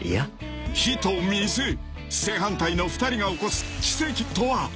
［火と水正反対の２人が起こす奇跡とは］